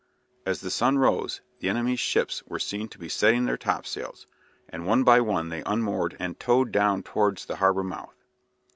As the sun rose the enemy's ships were seen to be setting their topsails, and one by one they unmoored and towed down towards the harbour mouth.